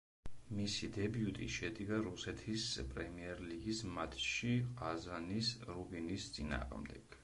მისი დებიუტი შედგა რუსეთის პრემიერლიგის მატჩში ყაზანის „რუბინის“ წინააღმდეგ.